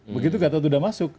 begitu gatot udah masuk